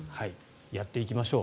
やっていきましょう。